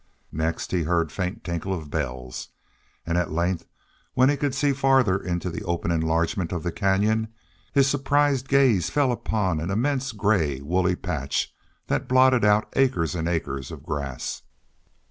Next he heard faint tinkle of bells, and at length, when he could see farther into the open enlargement of the canyon, his surprised gaze fell upon an immense gray, woolly patch that blotted out acres and acres of grass.